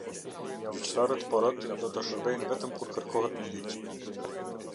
Gjyqtarët porotë do të shërbejnë vetëm kur kërkohet me ligj.